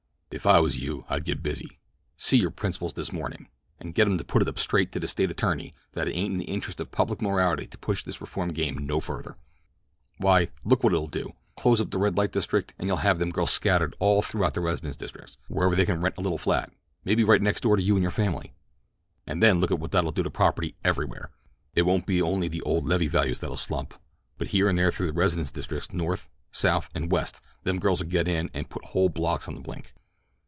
"If I was you I'd get busy. See your principals this mornin', and get 'em to put it up straight to the State attorney that it ain't in the interests of public morality to push this reform game no further. Why, look what it'll do—close up the red light district, an' you'll have them girls scattered all through the residence districts, wherever they can rent a little flat; maybe right next door to you an' your family. And then look at what that'll do to property everywhere. It won't be only the old levee values that'll slump, but here and there through the residence districts North, South, and West them girls'll get in and put whole blocks on the blink.